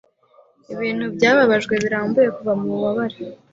Ibintu byababajwe birambuye Kuva mububabare